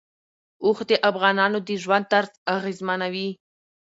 اوښ د افغانانو د ژوند طرز اغېزمنوي.